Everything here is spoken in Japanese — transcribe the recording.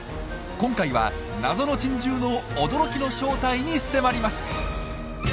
今回は謎の珍獣の驚きの正体に迫ります。